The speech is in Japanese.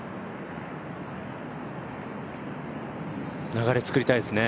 流れを作りたいですね。